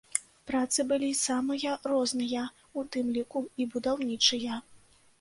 Працы былі самыя розныя, у тым ліку і будаўнічыя.